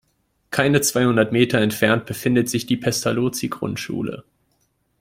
Keine zweihundert Meter entfernt befindet sich die Pestalozzi-Grundschule.